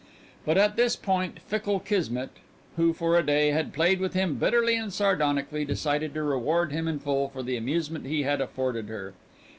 But at this point fickle Kismet, who for a day had played with him bitterly and sardonically, decided to reward him in full for the amusement he had afforded her.